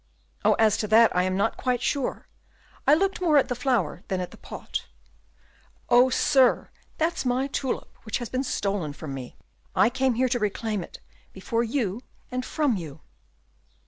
"Oh, as to that I am not quite sure; I looked more at the flower than at the pot." "Oh, sir! that's my tulip, which has been stolen from me. I came here to reclaim it before you and from you."